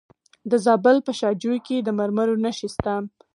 د زابل په شاجوی کې د مرمرو نښې شته.